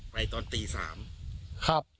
ตอนตี๓ครับ